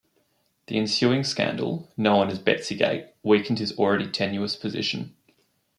The ensuing scandal, known as "Betsygate", weakened his already tenuous position.